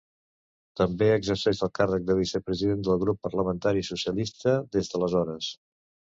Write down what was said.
També exerceix el càrrec de vicepresident del grup parlamentari socialista des d'aleshores.